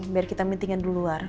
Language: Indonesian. biar kita meeting nya di luar